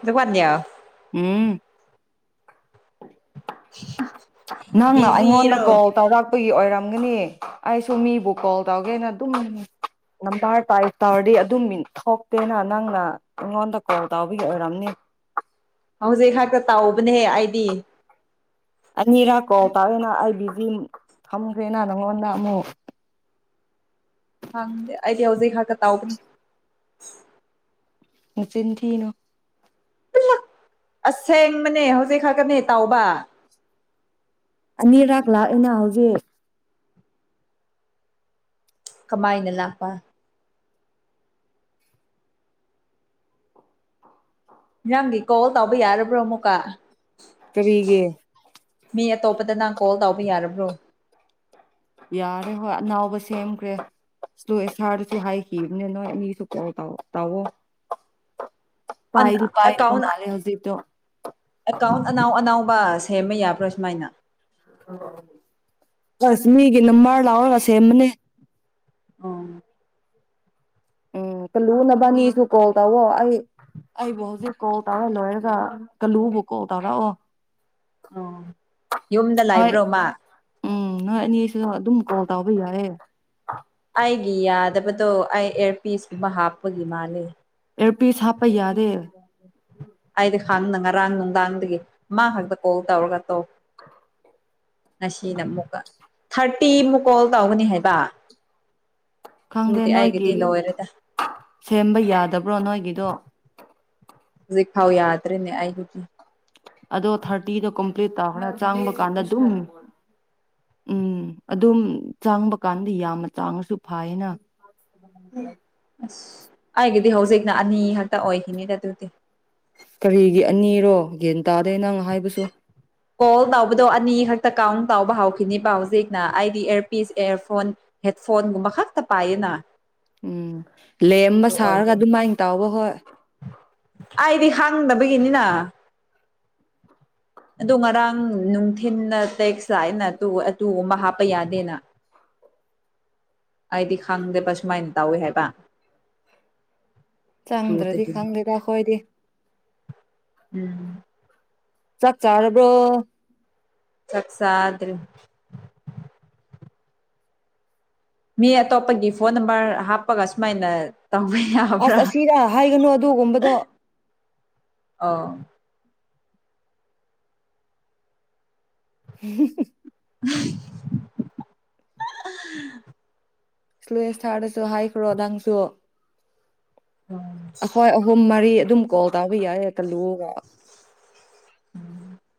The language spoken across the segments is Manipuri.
꯫ ꯑꯗꯨ ꯐꯅꯤ꯫ ꯎꯝ꯫ ꯫ ꯅꯪꯅ ꯑꯩꯉꯣꯟꯗ ꯀꯣꯜ ꯇꯧꯔꯛꯄꯒꯤ ꯑꯣꯏꯔꯝ꯫ ꯆꯪꯒꯅꯤ ꯑꯩꯁꯨ ꯃꯤꯕꯨ ꯀꯣꯜ ꯇꯧꯒꯦꯅ ꯑꯗꯨꯝ ꯅꯝꯕꯔ ꯇꯥꯏꯞ ꯇꯧꯔꯗꯤ ꯑꯗꯨꯝ ꯃꯤ ꯊꯣꯛꯇꯦꯅ ꯅꯪꯅ ꯑꯩꯉꯣꯟꯗ ꯀꯣꯜ ꯇꯧꯕꯒꯤ ꯑꯣꯏꯔꯝꯅꯤ꯫ ꯍꯧꯖꯤꯛ ꯍꯥꯛꯇ ꯇꯥꯛꯎꯕꯅꯦꯍꯦ ꯑꯩꯗꯤ꯫ ꯑꯅꯤꯔꯛ ꯀꯣꯜ ꯇꯥꯋꯤꯅ ꯑꯩꯗꯤ꯫ ꯊꯝꯈ꯭ꯔꯦꯅ ꯅꯉꯣꯟꯗ ꯑꯃꯨꯛ꯫ ꯍꯪꯗꯦ ꯑꯩꯗꯤ ꯍꯧꯖꯤꯛ ꯈꯥꯛꯀ ꯇꯥꯎꯕꯅꯤ꯫ ꯅꯆꯤꯟ ꯊꯤꯅꯣ ꯄꯨꯂꯞ ꯑꯁꯦꯡꯕꯅꯦ ꯍꯧꯖꯤꯛ ꯈꯛꯀꯅꯦ ꯇꯥꯎꯕ꯫ ꯑꯅꯤꯔꯥꯛ ꯂꯥꯛꯑꯦꯅ ꯍꯧꯖꯤꯛ꯫ ꯀꯃꯥꯏꯅ ꯂꯥꯛꯄ꯫ ꯅꯔꯥꯡꯒꯤ ꯀꯣꯜ ꯇꯧꯕ ꯌꯥꯔꯕ꯭ꯔꯣ ꯑꯃꯨꯛꯀꯥ꯫ ꯀꯔꯤꯒꯤ ꯫ ꯃꯤ ꯑꯇꯣꯄꯗ ꯅꯪ ꯀꯣꯜ ꯇꯧꯕ ꯌꯥꯔꯕ꯭ꯔꯣ꯫ ꯌꯥꯔꯦ ꯍꯣꯏ ꯑꯅꯥꯎꯕ ꯁꯦꯝꯈ꯭ꯔꯦ ꯁꯨ ꯑꯦ ꯁꯥꯥꯔꯗꯁꯨ ꯍꯥꯏꯈꯤꯕꯅꯦ ꯅꯣꯏ ꯑꯅꯤꯁꯨ ꯀꯣꯜ ꯇꯥꯛꯑꯣ꯫ ꯑꯦꯀꯥꯎꯟ ꯑꯦꯀꯥꯎꯟ ꯑꯅꯥꯎ ꯑꯅꯥꯎꯕꯁ꯫ ꯁꯦꯝꯕ ꯌꯥꯕ꯭ꯔꯥ ꯁꯨꯃꯥꯏꯅ꯫ ꯑꯁꯃꯤꯒꯤ ꯅꯃꯂꯔ ꯁꯦꯝꯕꯅꯦ꯫ ꯑꯣ꯫ ꯎꯝ ꯀꯥꯜꯂꯨꯅ ꯕꯥꯅꯤꯁꯨ ꯀꯣꯜ ꯇꯧꯑꯣ ꯑꯩ ꯑꯩꯕꯨ ꯍꯧꯖꯤꯛ ꯀꯣꯜ ꯇꯧꯔ ꯂꯣꯏꯔꯒ ꯀꯂꯨꯕꯨ ꯀꯣꯜ ꯇꯧꯔꯛꯑꯣ꯫ ꯑꯣ ꯌꯨꯝꯗ ꯅꯣꯏ ꯂꯩꯥꯏꯕ꯭ꯔꯣꯃ꯫ ꯎꯝ ꯅꯣꯏ ꯑꯅꯤꯁꯨ ꯑꯗꯨꯝ ꯀꯣꯜ ꯇꯥꯕ ꯌꯥꯏꯌꯦ꯫ ꯑꯩꯒꯤ ꯌꯥꯗꯕꯗꯣ ꯑꯩ ꯑꯦꯌꯥꯔꯄꯤꯁꯀꯨꯝꯕ ꯍꯥꯞꯄꯒꯤ ꯃꯥꯂꯦ ꯑꯦꯔꯄꯤꯁ ꯍꯥꯞꯄ ꯌꯥꯗ‌ꯦ ꯎꯝ ꯍꯥꯡꯅ ꯉꯔꯥꯡ ꯅꯨꯡꯗꯥꯡꯗꯒꯤ ꯃꯥ ꯈꯛꯇ ꯀꯣꯜ ꯇꯧꯔꯒ ꯇꯧ ꯉꯁꯤꯅ ꯑꯃꯨꯛꯀ ꯊꯥꯔꯇꯤ ꯑꯃꯨꯛ ꯀꯣꯜ ꯇꯧꯒꯅꯤ ꯍꯥꯏꯕꯥ꯫ ꯈꯪꯗꯦ ꯅꯣꯏꯒꯤ ꯂꯣꯏꯔꯦꯗ ꯁꯦꯝꯕ ꯌꯥꯗꯕ꯭ꯔꯣ ꯅꯣꯏꯒꯤꯗꯣ꯫ ꯍꯧꯖꯤꯛ ꯈꯥꯎ ꯌꯥꯗ꯭ꯔꯤꯅꯦ ꯑꯩꯒꯤꯗꯤ꯫ ꯑꯗꯣ ꯊꯥꯔꯇꯤꯗꯣ ꯀꯝꯄ꯭ꯂꯤꯠ ꯇꯧ꯭ꯔ ꯆꯥꯡꯕ ꯀꯥꯟꯗ ꯑꯗꯨꯝ ꯎꯝ ꯑꯗꯨꯝ ꯆꯥꯡꯕ ꯀꯥꯟꯗ ꯌꯥꯝꯅ ꯆꯥꯡꯉꯁꯨ ꯐꯥꯏꯌꯦꯅ꯫ [unintelligible] ꯑꯁ ꯑꯩꯒꯤꯗꯤ ꯍꯧꯖꯤꯛꯅ ꯑꯅꯤ ꯈꯛꯇ ꯑꯣꯏꯈꯤꯅꯤꯗ ꯑꯗꯨꯗꯤ꯫ ꯀꯔꯤꯒꯤ ꯑꯅꯤꯔꯣ ꯒꯦꯟ ꯇꯥꯗꯦ ꯅꯪ ꯍꯥꯏꯕꯁꯨ꯫ ꯀꯣꯜ ꯇꯎꯕꯗꯣ ꯑꯅꯤꯈꯛ ꯀꯥꯎꯟ ꯇꯥꯎꯕ ꯍꯧꯈꯤꯅꯤꯕ ꯍꯧꯖꯤꯛꯅ ꯑꯩꯗꯤ ꯑꯦꯔꯄꯤꯁ ꯏꯌꯔꯐꯣꯟ ꯍꯦꯠꯐꯣꯟꯒꯨꯝꯕ ꯈꯛꯇ ꯄꯥꯏꯌꯦꯅ꯫ ꯎꯝ ꯂꯦꯝꯕ ꯑꯗꯨ ꯁꯥꯔꯒ ꯑꯣꯏꯕꯒꯤ ꯑꯗꯨꯃꯥꯏꯅ ꯇꯥꯎꯕ ꯍꯣꯏ꯫ ꯑꯩꯗꯤ ꯈꯥꯡꯗꯕꯒꯤꯅꯤꯅ ꯑꯗꯨ ꯉꯔꯥꯡ ꯅꯨꯡꯊꯤꯅ ꯇꯦꯛꯁꯇ ꯂꯥꯑꯦꯅ ꯑꯇꯨ ꯑꯇꯨꯒꯨꯝꯕ ꯍꯥꯞꯄ ꯌꯥꯗꯦꯅ ꯑꯩꯗꯤ ꯈꯪꯗꯦꯕ ꯁꯨꯃꯥꯏꯅ ꯇꯧꯋꯦ ꯍꯥꯏꯕ꯫ ꯆꯪꯗ꯭ꯔꯗꯤ꯫ ꯑꯗꯨꯗꯒꯤꯅꯤ ꯈꯪꯗꯦꯗꯥ ꯑꯈꯣꯏꯗꯤ꯫ [inaudible] ꯆꯥꯛ ꯆꯔꯕ꯭ꯔꯣ꯫ ꯆꯥꯥꯗ꯭ꯔ꯫ ꯃꯤ ꯑꯇꯣꯞꯄꯒꯤ ꯐꯣꯟ ꯅꯝꯕꯔ ꯍꯥꯞꯄꯒ ꯁꯨꯃꯥꯏꯅ꯫ ꯇꯧꯕ ꯑꯁ ꯌꯥꯕ꯭ꯔꯥ ꯑꯁꯤꯔꯥ ꯍꯥꯏꯒꯅꯨ ꯑꯗꯨꯒꯨꯝꯕꯗꯣ꯫ ꯑꯣ [unintelligible] [unintelligible] ꯁ꯭ꯂꯨꯑꯦꯁꯊꯥꯔꯗꯁꯨ ꯍꯥꯏꯈ꯭ꯔꯣ ꯅꯪꯁꯨ꯫ ꯑꯩꯈꯣꯏ ꯑꯍꯨꯝ ꯃꯔꯤ꯫ [unintelligible] ꯇꯧꯕ ꯌꯥꯌꯦ ꯀꯂꯨ [unintelligible]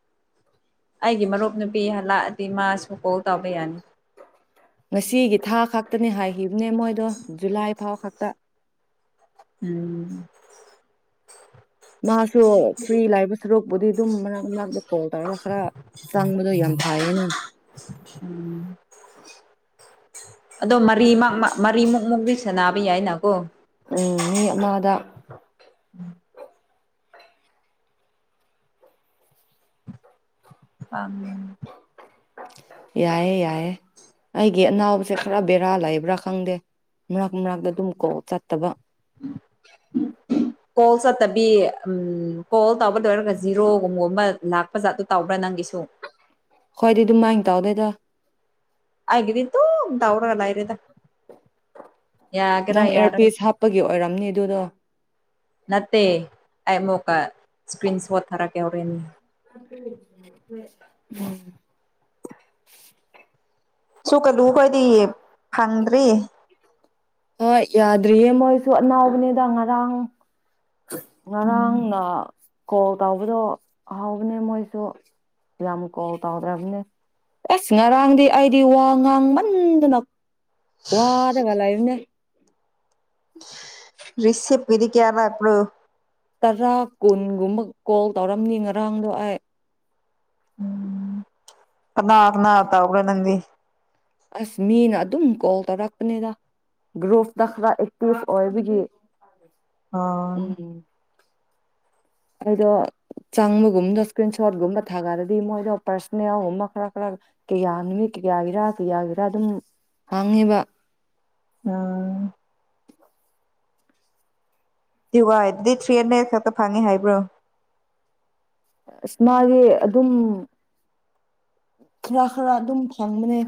[inaudible] ꯑꯩꯒꯤ ꯃꯔꯨꯞ ꯅꯨꯄꯤ ꯍꯂꯛꯑꯗꯤ ꯃꯥꯁꯨ ꯀꯣꯜ ꯇꯧꯕ ꯌꯥꯅꯤ꯫ ꯉꯁꯤꯒꯤ ꯊꯥ ꯈꯛꯇꯅꯦ ꯍꯥꯏ꯫ ꯈꯤꯕꯅꯦ ꯃꯣꯏꯗꯣ ꯖꯨꯂꯥꯏ ꯐꯥꯎ ꯈꯛ꯫ ꯇ꯫ ꯎꯝ꯫ ꯃꯥꯁꯨ ꯐ꯭ꯔꯤ ꯂꯩꯕ ꯁꯔꯨꯛꯄꯨꯗꯤ ꯑꯗꯨꯝ ꯃꯔꯛ ꯃꯔꯛꯇ ꯀꯣꯜ ꯇꯧꯔꯒ ꯈꯔ ꯆꯪꯕꯗꯣ ꯌꯥꯝ ꯐꯌꯦꯅ꯫ ꯎꯝ ꯑꯗꯣ ꯃꯔꯤꯃꯛ ꯃ ꯃꯔꯤꯃꯨꯛ ꯃꯨꯛꯗꯤ ꯁꯥꯟꯅꯕ ꯌꯥꯏꯅꯀꯣ꯫ ꯎꯝ ꯃꯤ ꯑꯃꯥꯗ꯫ [unintelligible] ꯌꯥꯏꯌꯦ ꯌꯥꯏꯌꯦ ꯑꯩꯒꯤ ꯑꯅꯥꯕꯁꯦ ꯈꯔ ꯕꯦꯔꯥ ꯂꯩꯕ꯭ꯔꯥ ꯈꯪꯗꯦ ꯃꯔꯛ ꯃꯔꯛꯇ ꯑꯗꯨꯝ ꯀꯣꯛ ꯆꯠꯇꯕ꯫ ꯀꯣꯜ ꯆꯠꯇꯕꯤ ꯎꯝ ꯀꯣꯜ ꯇꯧꯕ ꯂꯣꯏꯔꯒ ꯖꯤꯔꯣꯒꯨꯝꯕꯨꯝꯕ ꯂꯥꯛꯄ ꯖꯥꯠꯗꯨ ꯇꯧꯕ꯭ꯔꯥ ꯅꯪꯒꯤꯁꯨ꯫ ꯈꯣꯏꯗꯤ ꯑꯗꯨꯝ ꯃꯥꯏ ꯇꯧꯗꯦꯗ꯫ ꯑꯩꯒꯤꯗꯤ ꯗꯨꯝ ꯇꯧꯔꯒ ꯂꯥꯏꯔꯦꯗ꯫ ꯅꯪ ꯑꯦꯌꯥꯔꯄꯤꯁ ꯍꯥꯞꯄꯒꯤ ꯑꯣꯏꯔꯝꯅꯤ ꯑꯗꯨꯗꯣ꯫ [unintelligible] ꯁꯀ꯭ꯔꯤꯟ ꯁꯣꯠ ꯊꯥꯔꯛꯀꯦ ꯍꯣꯔꯦꯟ꯫ [unintelligible] ꯁꯨ ꯀꯂꯨ ꯈꯣꯏꯗꯤ ꯐꯪꯗ꯭ꯔꯤ꯫ ꯍꯣꯏ ꯌꯥꯗ꯭ꯔꯤꯌꯦ ꯃꯣꯏꯁꯨ ꯑꯅꯥꯎꯕꯅꯤꯗ ꯉꯔꯥꯡ꯫ ꯉꯔꯥꯡꯅ꯫ ꯀꯣꯜ ꯇꯧꯕꯗꯣ ꯍꯥꯎꯕꯅꯦ ꯃꯣꯏꯁꯨ ꯌꯥꯝ ꯀꯣꯜ ꯇꯥꯎꯗ꯭ꯔꯕꯅꯦ ꯑꯦꯁ ꯉꯔꯥꯡꯗꯤ ꯑꯩꯗꯤ ꯋꯥ ꯉꯥꯡꯃꯟꯗꯅ꯫ ꯋꯥꯗ ꯋꯥꯂ ꯑ ꯔꯤꯁꯞ ꯀꯤꯔꯤ ꯀꯦꯌꯥꯔ꯭ꯔꯣ ꯇꯔꯥ ꯀꯨꯟꯒꯨꯝꯕ ꯀꯣꯜ ꯇꯧꯔꯝꯅꯤ ꯉꯔꯥꯡꯗꯣ ꯑꯩ ꯀꯅꯥ ꯀꯅꯥ ꯇꯧꯒ ꯅꯪꯗꯤ ꯑꯁ ꯃꯤꯅ ꯑꯗꯨꯝ ꯀꯣꯜ ꯇꯧꯔꯛꯄꯅꯤꯗ ꯒ꯭ꯔꯣꯐꯇ ꯈꯔ ꯑꯦꯛꯇꯤꯚ ꯑꯣꯏꯕꯒꯤ ꯑꯣ ꯎꯝ ꯑꯩꯗꯣ ꯆꯪꯕꯒꯨꯝꯗ ꯏꯁꯀ꯭ꯔꯤꯟ ꯁꯣꯠꯒꯨꯝꯕ ꯊꯥꯒꯠꯂꯗꯤ ꯃꯣꯏꯗꯣ ꯄꯔꯁꯣꯅꯦꯜꯒꯨꯝꯕ ꯈꯔ ꯈꯔ ꯀꯌꯥ ꯅꯨꯃꯤꯠ ꯀꯌꯥꯒꯤꯔꯥ ꯀꯌꯥꯒꯤꯔꯥ ꯑꯗꯨꯝ ꯍꯥꯡꯉꯦꯕ ꯑꯥ ꯑ ꯗꯤ ꯋꯥ ꯑꯗꯨꯗꯤ ꯊ꯭ꯔꯤ ꯍꯟꯗ꯭ꯔꯦꯗ ꯈꯛꯇ ꯐꯪꯉꯤ ꯍꯥꯏꯕ꯭ꯔꯣ ꯑꯁ ꯃꯥꯒꯤ ꯑꯗꯨꯝ ꯈꯔ ꯈꯔ ꯑꯗꯨꯝ ꯐꯪꯕꯅꯦ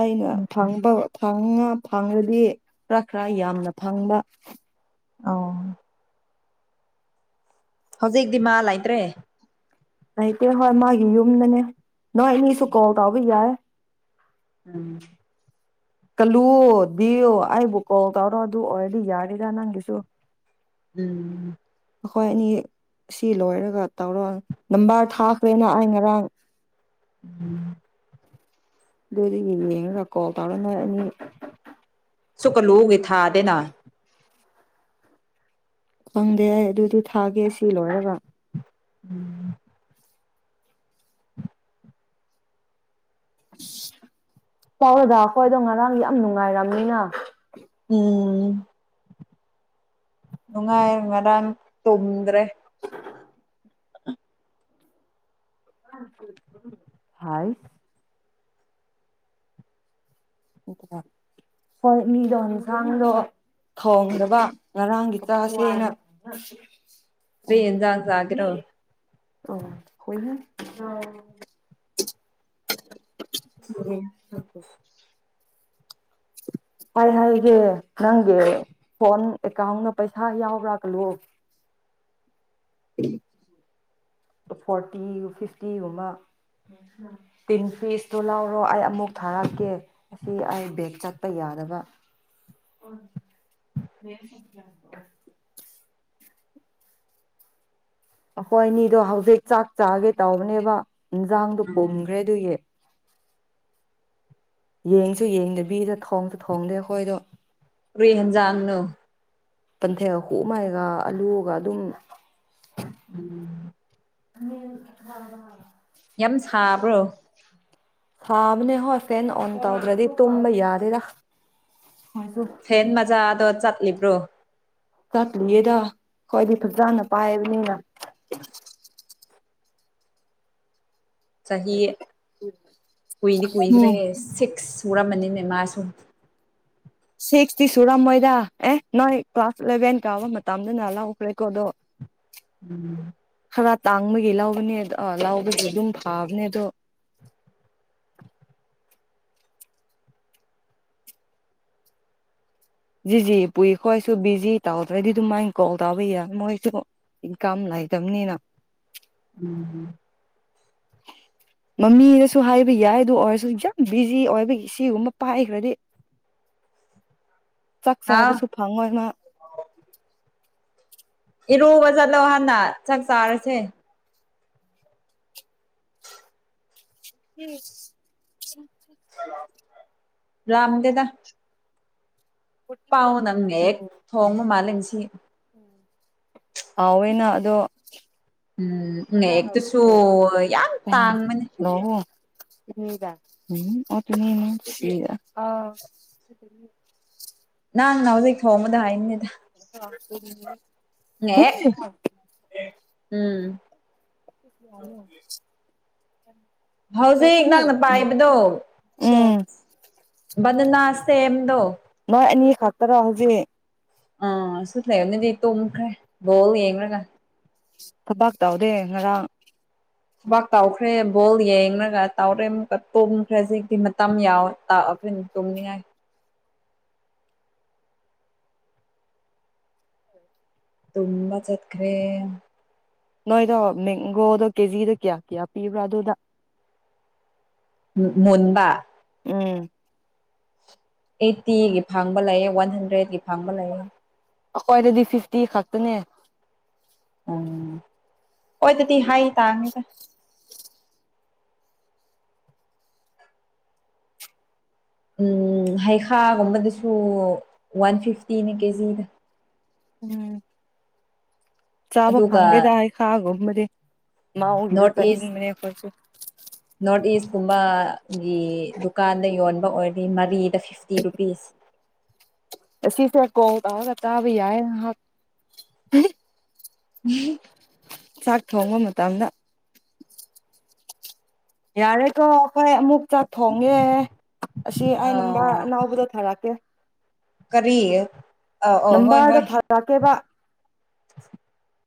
ꯑꯩꯅ ꯐꯪꯕ ꯪꯥ ꯐꯪꯉꯗꯤ ꯈꯔ ꯈꯔ ꯌꯥꯝꯅ ꯐꯪꯕ ꯑ ꯍꯧꯖꯤꯛꯇꯤ ꯃꯥ ꯂꯩꯇ꯭ꯔꯦ ꯑꯇꯦ ꯍꯣꯏ ꯃꯥꯒꯤ ꯌꯨꯝꯗꯅꯦ ꯅ ꯏꯅꯤ ꯁꯀꯣꯜ ꯇꯕ ꯌꯥꯦ ꯎꯝ ꯀꯜꯂꯨꯗꯤꯌꯣ ꯑꯩꯕꯨ ꯀꯣꯜ ꯀꯧꯔꯣ ꯑꯗꯨ ꯑꯣꯏꯔꯗꯤ ꯌꯥꯔꯤꯔ ꯅꯪꯒꯤꯁꯨ ꯎꯝ ꯑꯩꯈꯣꯏ ꯑꯅꯤ ꯁꯤ ꯂꯣꯏꯔꯒꯥ ꯇꯧꯔꯣ ꯅꯝꯕꯔ ꯊꯥꯈ꯭ꯔꯦꯅ ꯑꯩ ꯉꯔꯥꯡ ꯎꯝ ꯑꯗꯨꯗꯤ ꯌꯦꯡꯉꯒꯥ ꯀꯣꯜ ꯇꯔ‌ꯣ ꯅ‌ꯣꯏꯑꯅꯤ ꯁꯀꯂꯨꯒ ꯏ ꯊꯥꯗ ꯅ ꯈꯪꯗꯦ ꯑꯗꯨꯗꯤ ꯊꯥꯒꯦ ꯁꯤ ꯂꯣꯏꯒꯥ ꯎꯝ ꯑ ꯆꯥꯎꯔꯗ ꯑꯩꯈꯣꯏ ꯑꯗꯣ ꯉꯔꯥꯡꯗꯤ ꯌꯥꯝ ꯅꯨꯡꯉꯥꯏꯔꯝꯅꯤꯅ ꯎꯝ ꯅꯨꯡꯉꯥꯏ ꯃꯔꯝ ꯇꯨꯝꯗ꯭ꯔꯦ [unintelligible] ꯐꯥꯏꯁ ꯍꯣꯏ ꯃꯤꯗꯣ ꯌꯦꯟꯁꯥꯡꯗꯣ ꯊꯣꯡꯗꯕ ꯉꯔꯥꯡꯒꯤ ꯆꯥꯁꯦꯅ ꯀꯔꯤ ꯎꯝ ꯌꯦꯟꯖꯥꯡ ꯆꯥꯒꯦꯔꯣ ꯑꯣ ꯍꯣꯏꯅ ꯑꯣ ꯑꯣ [unintelligible] ꯍꯥꯏ ꯍꯥꯏꯒꯦ ꯅꯪꯒꯤ ꯐꯣꯟ ꯑꯦꯀꯥꯎꯟꯗ ꯄꯩꯁꯥ ꯌꯥꯎꯕ꯭ꯔꯥ ꯀꯜꯂꯣ ꯐꯣꯔꯇꯤ ꯐꯤꯐꯇꯤꯒꯨꯝꯕ ꯇꯤꯟ ꯄꯤꯁꯇꯣ ꯂꯥꯎꯔꯣ ꯑꯩ ꯑꯃꯨꯛ ꯊꯥꯔꯛꯀꯦ ꯑꯁꯤ ꯑꯩ ꯕꯦꯒ ꯆꯠ [unintelligible] ꯌꯥꯗꯕ [unintelligible] ꯑꯩꯈꯣꯏꯅꯤꯗꯣ ꯍꯧꯖꯤꯛ ꯆꯥꯛ ꯆꯥꯒꯦ ꯇꯧꯕꯅꯦꯕ ꯏꯟꯁꯥꯡꯗꯣ ꯄꯨꯝꯈ꯭ꯔꯦ ꯑꯗꯨꯒꯤ ꯌꯦꯡꯁꯨ ꯌꯦꯡꯗꯕꯤꯗ ꯊꯣꯡꯁꯨ ꯊꯣꯡꯗꯦ ꯑꯩꯈꯣꯏꯗꯣ ꯀꯔꯤ ꯌꯦꯟꯖꯥꯡꯅꯣ ꯄꯟꯊꯦꯜ ꯍꯨꯃꯥꯏꯒ ꯑꯂꯨꯒ ꯑꯗꯨꯝ ꯎꯝ [unintelligible] ꯌꯥꯝ ꯁꯥꯕ꯭ꯔꯣ ꯁꯥꯕꯅꯦ ꯍꯣꯏ ꯐꯦꯟ ꯑꯣꯟ ꯇꯧꯗ꯭ꯔꯗꯤ ꯇꯨꯝꯕ ꯌꯥꯗꯦꯗꯥ ꯐꯦꯟ ꯃꯥꯥꯆꯥꯗꯣ [unintelligible] ꯂꯩꯕ꯭ꯔꯣ ꯆꯠꯂꯤꯌꯦꯗ ꯑꯈꯣꯏꯗꯤ ꯐꯖꯅ ꯄꯥꯏꯕꯅꯤꯅ ꯆꯍꯤ ꯀꯨꯏꯗꯤ ꯎꯝ ꯀꯏꯈ꯭ꯔꯦꯍꯦ ꯁꯤꯛꯁ ꯁꯨꯔꯝꯃꯅꯤꯅꯦ ꯃꯥꯁꯨꯨ ꯁꯤꯛꯁꯇꯤ ꯁꯨꯔꯝꯃꯣꯏꯗ ꯑꯦ ꯅꯣꯏ ꯀ꯭ꯂꯥꯁ ꯏꯂꯚꯦꯟ ꯀꯥꯕ ꯃꯇꯝꯗꯅ ꯂꯥꯎꯈ꯭ꯔꯦꯀꯣꯗꯣ ꯎꯝ ꯈꯔ ꯇꯥꯡꯕꯒꯤ ꯂꯧꯕꯅꯦ ꯑꯗꯣ ꯂꯧꯕꯗꯤ ꯑꯗꯨꯝ ꯐꯥꯕꯅꯦ ꯑꯗꯣ ꯖꯤꯖꯤ ꯄꯨꯏꯈꯣꯏꯁꯨ ꯕꯤꯖꯤ ꯇꯧꯗ꯭ꯔꯗꯤ ꯑꯗꯨꯝ ꯃꯥꯏꯅ ꯀꯣꯜ ꯇꯥꯕ ꯌꯥꯏ ꯃꯣꯏꯁꯨ ꯏꯟꯀꯥꯝ ꯂꯩꯇꯕꯅꯤꯅ ꯎꯝ ꯎꯝ ꯃꯃꯤꯅꯁꯨ ꯍꯥꯏꯕ ꯌꯥꯏ ꯑꯗꯨ ꯑꯣꯏꯔꯁꯨ ꯌꯥꯝ ꯕꯤꯖꯤ ꯑꯣꯏꯕꯒꯤ ꯁꯤꯒꯨꯝꯕ ꯄꯥꯏꯈ꯭ꯔꯗꯤ ꯆꯥꯛ ꯍꯥꯎ ꯆꯥꯕꯁꯨ ꯐꯪꯉꯣꯏ ꯃꯥ ꯏꯔꯨꯕ ꯆꯠꯂꯣ ꯍꯥꯟꯅ ꯆꯥꯛ ꯆꯥꯔꯁꯦ ꯎꯝ ꯔꯝꯗꯦꯗ ꯄꯥꯎ ꯅꯪꯅꯦ ꯎꯝ ꯊꯣꯡꯕ ꯃꯥꯜꯂꯤ ꯁꯤ ꯍꯥꯎꯋꯦꯅ ꯑꯗꯣ ꯎꯝ ꯍꯦꯛꯇꯨꯁꯨ ꯌꯥꯝ ꯇꯥꯡꯕꯅꯤ [unintelligible] ꯅꯪꯅ ꯍꯧꯖꯤꯛ ꯊꯣꯡꯕꯗꯣ ꯍꯩꯅꯤꯗ [unintelligible] ꯎꯝ ꯑꯦ ꯎꯝ [unintelligible] ꯍꯧꯖꯤꯛ ꯅꯪꯅ ꯄꯥꯏꯕꯗꯣ [unintelligible] ꯅꯣꯏ ꯑꯅꯤ ꯈꯛꯇꯔꯣ ꯍꯧꯖꯤꯛ ꯑꯥ ꯁꯨꯠ ꯂꯩꯗꯤ ꯇꯨꯝꯈ꯭ꯔꯦ ꯕꯣꯜ ꯌꯦꯡꯂꯒ ꯊꯕꯥꯛ ꯇꯥꯎꯗꯦ ꯉꯔꯥꯡ ꯊꯕꯥꯛ ꯇꯥꯎꯈ꯭ꯔꯦ ꯕꯣꯜ ꯌꯦꯡꯉꯒ ꯇꯥꯎꯔꯦ ꯑꯃꯨꯛꯀ ꯇꯨꯝꯈ꯭ꯔꯦ ꯍꯧꯖꯤꯛꯇꯤ ꯃꯇꯝ ꯌꯥꯎ [unintelligible] ꯑꯈꯣꯏꯅ ꯇꯨꯝꯅꯤꯡꯉꯥꯏ ꯇꯨꯝꯕ ꯆꯠꯈ꯭ꯔꯦ ꯅꯣꯏꯗꯣ ꯃꯦꯡꯒꯣꯗꯣ ꯀꯦꯖꯤꯗ ꯀꯌꯥ ꯀꯌꯥ ꯄꯤꯕ꯭ꯔꯥ ꯑꯗꯨꯗ ꯃꯨꯟꯕ ꯎꯝ꯫ ꯑꯩꯠꯇꯤꯒꯤ ꯐꯡꯕ ꯂꯩꯌꯦ ꯋꯥꯟ ꯍꯟꯗ꯭ꯔꯦꯠꯀꯤ ꯐꯪꯕ ꯂꯩꯌꯦ꯫ ꯑꯈꯣꯏ ꯑꯗꯗꯤ ꯐꯤꯐꯇꯤ ꯈꯥꯛꯇꯅꯦ꯫ ꯎꯝ ꯍꯣꯏ ꯑꯗꯨꯗꯤ ꯍꯥꯏ ꯇꯥꯃꯤꯗ꯫ ꯎꯝ ꯍꯩꯈꯥꯒꯨꯝꯕꯗꯁꯨ ꯋꯥꯟ ꯐꯤꯐꯇꯤ ꯅꯤ ꯀꯦꯖꯤꯗ꯫ ꯎꯝ꯫ ꯆꯥꯕ ꯑꯗꯨꯒ ꯐꯪꯗꯦꯗ ꯍꯩꯈꯥꯒꯨꯝꯕ [unintelligible] ꯃꯥꯎꯒꯤꯗꯣ ꯅꯣꯔꯠ ꯏꯁ ꯆꯥꯅꯤꯡꯕꯅꯦ ꯑꯩꯈꯣꯏꯁꯨ꯫ ꯅꯣꯔꯠ ꯏꯁꯀꯨꯝꯕꯒꯤ ꯗꯨꯀꯥꯟꯗ ꯌꯣꯟꯕ ꯑꯣꯏꯔꯗꯤ ꯃꯔꯤꯗ ꯐꯤꯐꯇꯤ ꯔꯨꯄꯤꯁ꯫ ꯑꯁꯤꯁꯦ ꯀꯣ ꯇꯥꯎꯔꯒ ꯆꯥꯕ ꯌꯥꯏ [unintelligible] ꯆꯥꯛ ꯊꯣꯡꯕ ꯃꯇꯝꯗ꯫ ꯌꯥꯔꯦ ꯀꯣ ꯑꯩꯈꯣꯏ ꯑꯃꯨꯛ ꯆꯥꯛ ꯊꯣꯡꯉꯦ ꯑꯁꯤ ꯑ ꯑꯩꯅꯝꯕ ꯑꯅꯥꯎꯕꯗꯣ ꯊꯥꯔꯛꯀꯦ꯫ ꯀꯔꯤꯌꯦ꯫ ꯅꯝꯕꯔꯗ ꯊꯥꯔꯛꯀꯦꯕ꯫ [inaudible]